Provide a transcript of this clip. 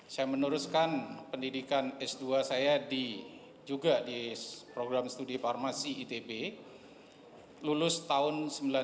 saya meneruskan pendidikan s dua saya juga di program studi farmasi itb lulus tahun seribu sembilan ratus sembilan puluh